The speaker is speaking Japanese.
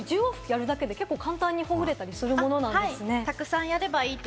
１０往復やるだけで簡単にほぐれるものなんですね。